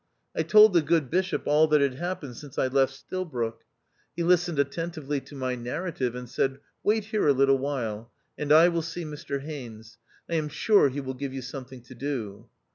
I told the good Bishop all that had happened since I left Stilbroke. He listened attentively to my narrative, and said, " Wait here a little while, and I will see Mr Haines : I am sure he will give you something to do."